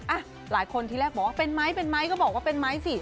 อ่ะหลายคนทีแรกบอกว่าเป็นไม้เป็นไมค์ก็บอกว่าเป็นไม้สิ